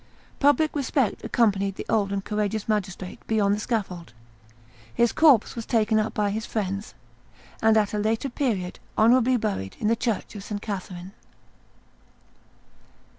Public respect accompanied the old and courageous magistrate beyond the scaffold; his corpse was taken up by his friends, and at a later period honorably buried in the church of St. Catherine.